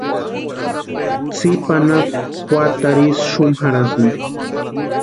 Tsipa anapu juatarhu ísï xumu jarhasïnti.